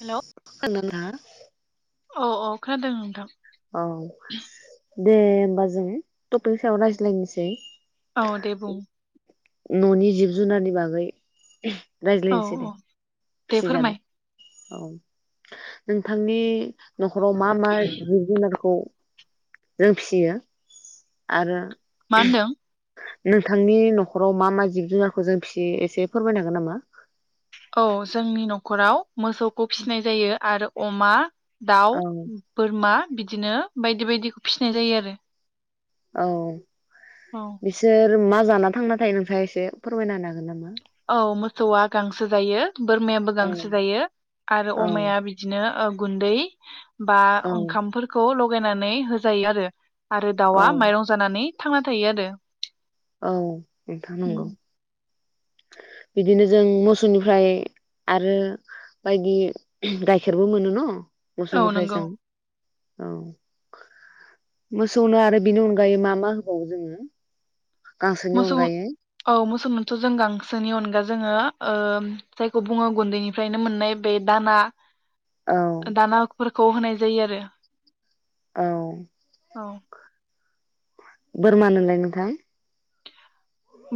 Hello औ- औ खोनादों नोंथां औ दे होमबा जों टपिकनि सायाव रायज्लायनिसै औ दे बुं न'नि जिब जुनारनि बागै औ रायज्लायनिसै दे औ दे फिसिजानाय फोरमाय औ नोंथांनि न'खराव मा मा जिब जुनारखौ जों फिसियो आरो मा होनदों? नोंथांनि न'खराव मा मा जिब जुनारखौ जों फिसियो एसे फोरमायनो हांगोन नामा? औ जोंनि न'खराव मोसौखौ फिसिनाय जायो आरो अमा दाउ, औ बोरमा बिदिनो बायदि बायदिख फिसिनाय जायो आरो औ औ बिसोर जों मा जाना थांना थायो नोंथाङा एसे फोरमायना होनो हागोन नामा? औ मोसौआ गांसो जायो बोरमायाबो औ गांसो जायो आरो औ अमाया बिदिनो ओ गुन्दै बा औ ओंखामफोरखौ गायनानै होजायो आरो आरो औ दाउआ माइरं जानानै थांना थायो आरो औ बेथ नंगौ उम। बिदिनो जों मोसौनिफ्राय आरो बायदि गाइखेरबो मोनो न औ मोसौनिफ्राय नंगौ जों औ मोसौनो आरो बेनि अनगायै मा मा होबावो जोङो? गांसोनि मोसौ अनगायै औ मोसौ मोनथ जों गांस सोनि अनगा जोङो ओ जायखौ बुङो गुन्दैनिफ्रायनो मोननाय बे दाना औ दाना अकपुर खौ होनाय जायो आरो औ औ बोरमानोलाय नोंथां?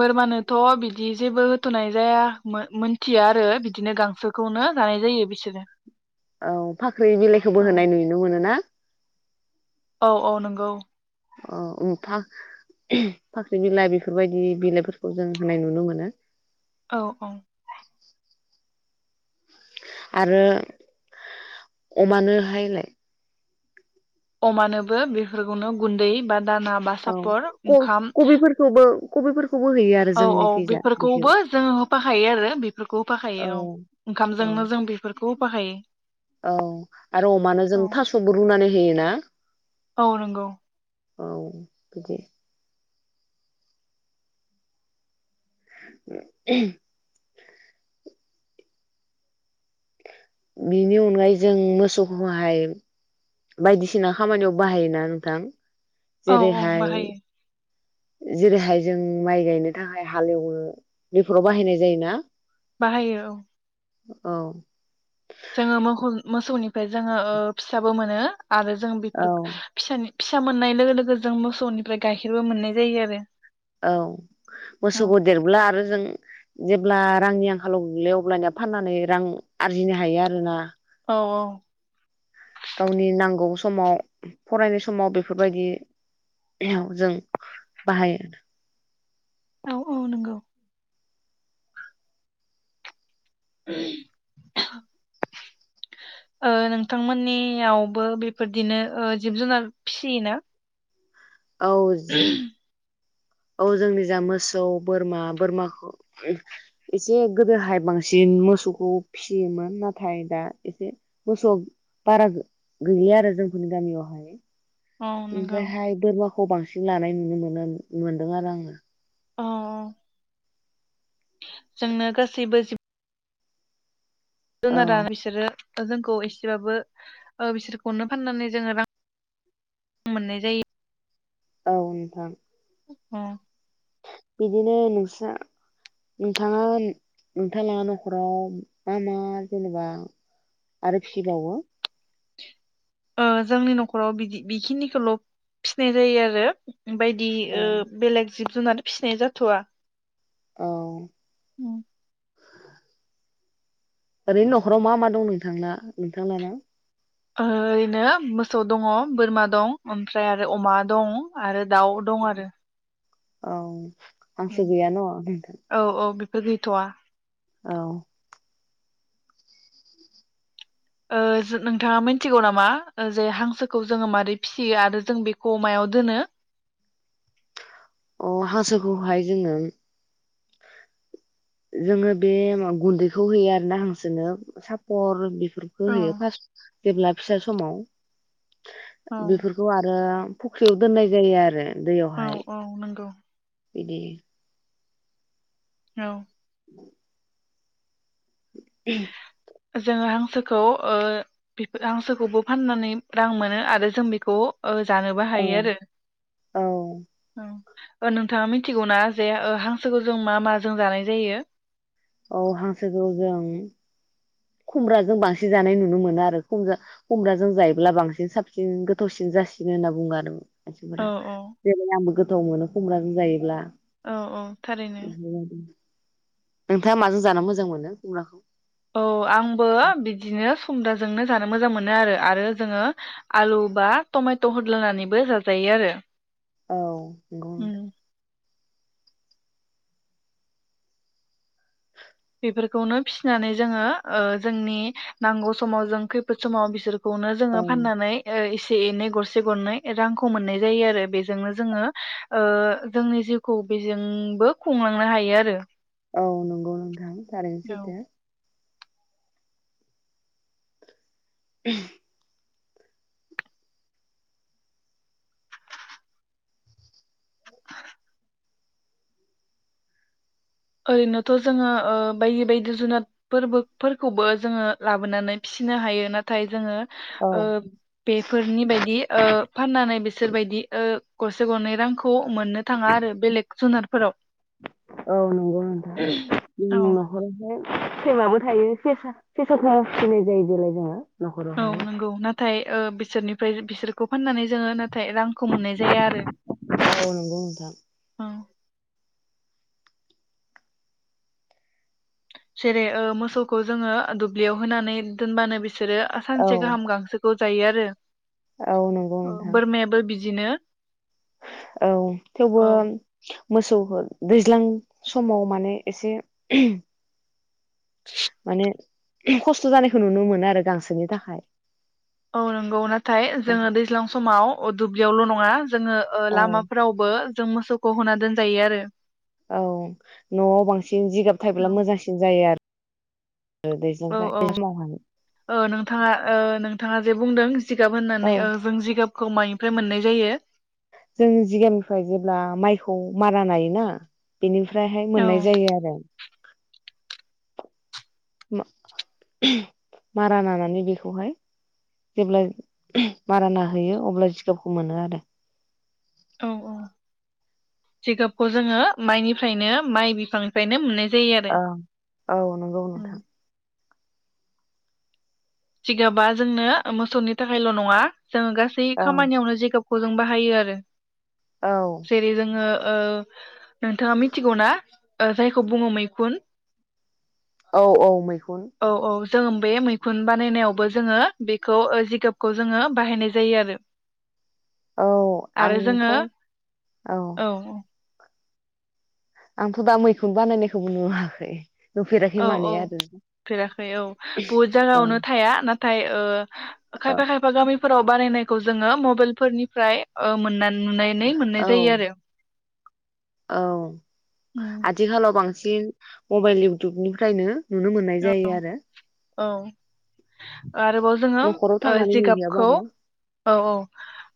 बोरमानोथ बिदि जेबो होथनाय जाया मोनथिया आरो बिदिनो गांसोखौनो जानाय जायो बिसोरो औ फाख्रि बिलाइखौबो औ होनाय नुनो मोनोना? औ औ नंगौ अ उम फाख्रि बिलाइ बेफोरबायदि बिलाइफोरखौ जों होनाय नुनो मोनो औ औ आरो अमानो हायलाय? अमानोबो बेफोरखौनो गुन्दै बा दाना बा औ सापर ख ओंखाम खबिफोरखौबो कबबिफोर औ औ बेफोरखौबो जोंङो होफाखायो आरो बेफोरखौ होफाखायो औ औ ओंखामजोंनो जों बेफोर खौ होफाखायो औ आरो अमानो जों औ थासबो रुनानै होयो ना? औ नंगौ औ बिदिे [unintelligible] बेनि अनगायै जों मोसौखौहाय बायदिसिना खामानियाव बाहायोना नोंथां? औ औ जेरैहाय बाहायो। जेरैहाय जों माइ गायनो थाखाय हालेवनो बेफोराव बाहायनाय जायोना? बाहायो औ। औ। जोङो मोखौ मोसौनिफ्राय जोङो ओ फिसाबो मोनो। आरो जों औ बेफोर फिसानि फिसा मोननाय लोगो लोगो जों मोसौनिफ्राय गाइखेरबो मोननाय जायो आरो। औ मोसौखौ देरब्ला आरो जों जेब्ला रांनि आंखालाव गोग्लैयो अब्लानिया फाननानै रां आरजिनो हायो आरोना। औ औ। गावनि नांगौ समाव फरायनाय समाव बेफोरबायदियाव जों बाहायो। औ औ नंगौ। ओ नोंथांमोननियावबो बेफोरदिनो ओ जिब जुनार फिसियोना? औज औ जोंनि जा मोसौ बोरमा बोरमाखौ एसे गोदोहाय बांसिन मोसौखौ फिसियोमोन। नाथाय दा एसे मोसौआ बारा गैलिया आरो जोंफोरनि गामियावहाय। औ नंगौ ओमफ्राय हाय बोरमाखौ खौ बांसिन लानाय नुनो मोनो मोनदों आरो आङो। अ जोंनो गासैबो जिब औ जुनारा बिसोर जोंखौ एसेबाबो ओ बिसोरखौनो फाननानै जोङो रां मोननाय जायो। औ नोथां। औ। बिदिनो नोंसा नोंथाङा नोंथाङला न'खराव मा मा जेनेबा आरो फिसिबावो? ओ जोंनि न'खराव बिदि बेखिनिखौल' फिनाय जायो आरो। बायदि औ ओ बेलेग जिब जुनार फिसिनाय जाथ'आ। औ। औ। ओरैनो न'खराव मा मा दं नोंथांना नोंथांला ना? ओरैनो मोसौ दङ' बोरमा दं, ओमफ्राय आरो अमा दं आरो दाउ दं आरो। औ। आंसो गैया न' होनथ। गैथ'आ। औ। ओ जो नोंथाङा मिथिगौ नामा जे हांसोखौ जोङो माबोरै फिसियो आरो जों बेखौ मायाव दोनो? अ हांसोखौहाय जोङो जोङो बे गुन्दैखौ होयो आरो ना हांसोनो सापर बेफो फोरख औ होयो फास जेब्ला फिसा समाव। औ बेफोरखौ आरो फुख्रियाव दोननाय जायो आरो। औ दैयावहाय औ नंगौ। बिदि। औ। [unintelligible] जोङो हांसोखौ ओ बिफोर हांसोखौबो फाननानै रां मोनो आरो जों बेखौ। औ जानोबो औ हायो आरो औ औ। ओ नोंथाङा मिथिगौना जे ओ हांसोखौ जों मा मा जों जानाय जायो? औ हांसोखौ जों। खुमब्राजों बांसिन जानाय नुनो मोनो आरो खुमब्रा खुमब्राजों जायोब्ला बांसिन साबसिन गोथावसिन जासिनो होनना बुङो आरो। औ मानसिफोरा गोथाव मोनो खुमब्राजों जायोब्ला। औ औ थारैनो बेफोरबायदि। नोंथाङा माजों जानो मोजां मोनो खुमब्राखो? औ आंबो बिदिनो। खुमब्राजोंनो जानो मोजां मोनो आरो आरो जोङो आलु बा टमेट' होदलानानैबो जाजायो आरो। औ नंगौ उम नोथां। बेफोरखौनो फिसिनानै जोङो ओ जोंनि नांगौ समाव जों। खैफोद समाव बिसोरखौनो जोङो औ फाननानै ओ इसे एसे एनै गरसे गरनै रांखौ मोननाय जायो आरो बेजोंनो जोङो ओ जोंनि जिउखौ बेजोंबो खुंलांनो हायो आरो। औ नंगौ नों थारैनो औ सैथो। [unintelligible] ओरैनोथ' जोङो ओ बायदि बायदि जुनाद फोरबो फोरबोफोरखौबो जोङो लाबोनानै फिसिनो हायो नाथाय जोङो। औ ओ बेफोरनि बायदि ओ फाननानै बिसोरबायदि ओ गरसे गरनै रांखौ। खौ मोननो थाङा आरो बेलेग जुनारफोराव। नंगौ नंगौ नोंथां औ जों न'खरावहाय। सैमाबो थायो सेसा सेसाबो फिनाय जायो देलाय जोङो। औ न'खरावहाय। नंगौ नाथाय! ओ बिसोरनिफ्राय बिसोरखौ फाननानै जोङो ना नाथाय रांखौ मोननाय जाया आरो औ नंगौ नोंथां औ। जेरै ओ मोसौखौ जोङो दुब्लियाव होनानै दोनबानो बि बिसोरो सानसे गाहाम गांसोखौ जायो आरो औ नंगौ नोंथां बिदिनो औ थेवबो औ मोसौखो दैज्लां समाव माने एसे माने खस्थ' जानायखौ नुनो मोनो आरो गांसोनि थाखाय औ नंगौ नाथाय जोङो दैज्लां समाव अ दु ब्लियावल' नङा जोङो ओ औ लामाफोरावबो जों मोसौखौ होना दोनजायो आरो। औ न'आव बांसिन जिगाब थायोब्ला मोजांसिन जायो आरो। औ दैज्लां औ समावहाय औ नोंथाङा ओ नोंथाङा जे बुंदों जिगाब होननानै औ ओ जों जिगाब खौ मानिफ्राय मोननाय जायो? जोंनि जिगांनिफ्राय जेब्ला माइखौ मारा नायोना बेनिफ्राय ओमफ्रायहाय औ मोननाय जायो आरो। मा मारा नानानै बेखौहाय जेब्ला मारा नाहोयो अब्ला जिगाबखौ मोनो आरो। औ औ जिगाबखौ जोङो माइनिफ्रायनो माइ बिफांनिफ्रायनो मोननाय जायो। आरो ओं औ नंगौ उम नोंथां। सिगाबा जोंनो मोसौनि थाखायल' नङा जोङो गासै औ खामानियावनो जिगाब खौ जजों बाहायो आरो औ जेरै जोंङो ओ नोंथाङा मिथिगौ ना जायखौ बुङो मैखुन? औ औ मैखुन। जों बे मैखुन बानायनायावबो जोङो बेखौ ओ जिगाबखौ जोङो बाहायनाय जायो आरो। औ आरो जोङो आंथ' औ आंथ' दा मैखुन बानायनायखौबो नुवाखै। नुफेराखै औ माने औ आरो फेराखै औ बहुद जायगायावनो औ थाया ना नाथाय ओ खायफा खायफा गामि फोराव बानायनायखौ जोङो मबाइलफोरनिफ्राय ओ मोननानै नुनानै मोननाय जायो आरो। औ उम आथिखालाव बांसिन बांसिन मबाइल इउटुबनिफ्रायनो नुनो मोननाय जायो आरो औ आरोबाव जोङो न'खराव ओ थांनानै जिगाबखौ नुहैयाबाबो। औ औ।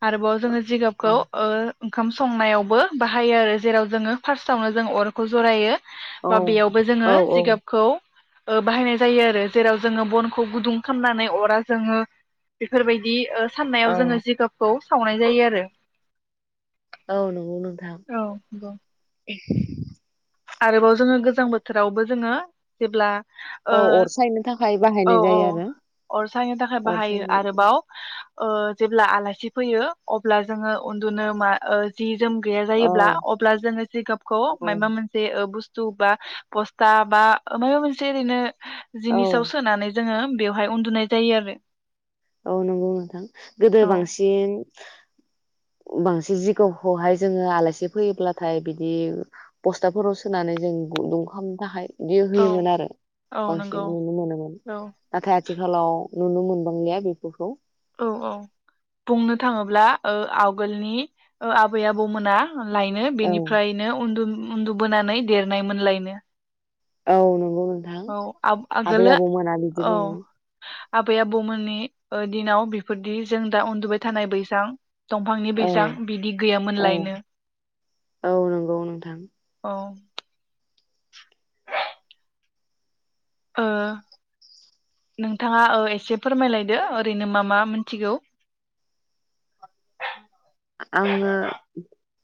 आरोबाव जोङो जिगाबखौ औ ओ ओंखाम संनायावबो बाहायो आरो जेराव जोङो फार्स्टआवनो जों अरखौ जरायो। औ बा बेयावबो औ जोङो औ जिगाबखौ ओ बाहायनाय जायो आरो जेराव जोङो बनखौ गुदुं खालामनानै अरा जोङो बेफोरबायदि ओ औ साननायाव जोङो जिगाबखौ सावनाय जायो आरो। ओ नंगौ नोंथां। [unintelligible] आरोबाव जोङो गोजां बोथोरावबो जोङो जेब्ला ओ औ अर सायनो थाखाय औ बाहायनाय औ जायो आरो अर सायनो थाखाय अर बाहायो सायनो आरोबाव ओ जेब्ला आलासि फैयो अब्ला जोङो उन्दुनो मा ओ जि जोम गैया औ जायोब्ला अब्ला जोङो जिगाबखौ औ मायबा मोन बो बुस्थु बा बस्था बा माबा मोनसे ओरैनो औ जिनिसाव सोनानै जोङो बेवहाय उन्दुनाय जायो आरो। औ नंगौ नोंथां गोदो औ बांसिन बांसिन जिगावबावहाय जोङो आलासि फैयोब्लाथाय बिदि ब'स्थाफोराव सोनानै जों गुदुं खालानो थाखाय बिदि औ होयोमोन आरो औ बांसिन नंगौ नुनो मोनोमोन औ नाथाय आथिखालाव नुनो मोनबांलिया बेफोरखौ। औ औ बुंनो थाङोब्ला ओ आवगोलनि ओ आबै आबौमोना लायनो औ बेनिफ्रायनो उन्दु उन्दुबोनानै देरनायमोनलायनो। औ नंगौ। नोंथां औ आबै आ-आगोलो आबौमोना बिदि औ। बुङो आबै आबौमोननि दिनाव बेफोरदि जों दा उन्दुबाय थानाय बैसां दंफांनि औ बेैसां बिदि गैयामोन औ लायनो औ नंगौ नोंथां औ। ओ नोंथाङा ओ एसे फोरमायलायदो ओरैनो मा मा मोनथिगौ? आङो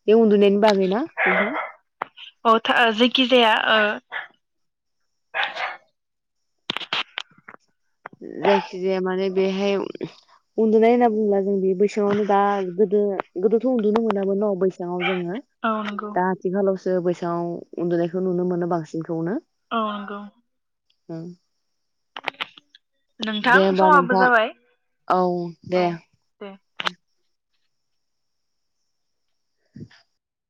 बे उन्दुनायनि बागै ना नोंथां? अ ओ जेखिजाया ओ जायखिजाया माने बेहाय उन्दुनाय होनना बुंब्ला जों बि बैसाङावनो दा गोदो गोदोथ' उन्दुनो मोनामोन न' बै साङाव जोङो औ नंगौ दा आथिखालाव ओ बैसांङाव उन्दुनायखौ नुनो मोनो बांसिनखौनो औ नोंगौ। ओं। नोंथां दे होमबा समाबो नोंथां जाबाय औ दे। औ दे [inaudible]